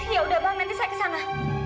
ya udah bang nanti saya ke sana